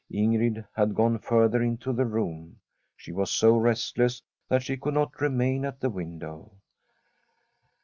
In grid had gone further into the room. She was so restless that she could not remain at the win dow.